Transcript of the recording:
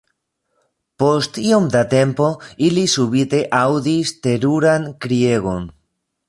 Post iom da tempo ili subite aŭdis teruran kriegon.